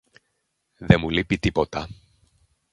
Δεν μου λείπει τίποτα.